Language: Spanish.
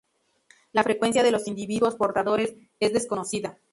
La frecuencia de los individuos portadores es desconocida.